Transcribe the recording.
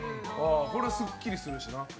これ、すっきりするしな。